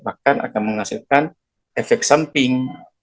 bahkan akan menghasilkan efek samping